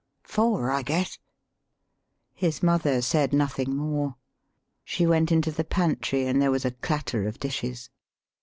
"Four, I guess." His mother said nothing more. She went into the pantry, and there was a clatter of dishes.